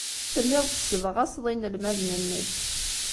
Telliḍ tessebɣaseḍ inelmaden-nnek.